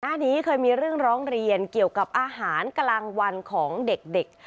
หน้านี้เคยมีเรื่องร้องเรียนเกี่ยวกับอาหารกลางวันของเด็ก